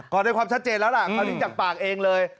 ก่อนให้ความชัดเจนแล้วอะคำนึกจากปากเองเลย